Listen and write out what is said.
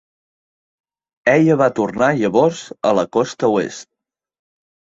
Ella va tornar llavors a la costa oest.